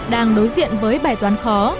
đang đối diện với bài toán khó